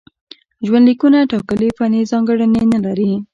ژوندلیکونه ټاکلې فني ځانګړنې نه لري.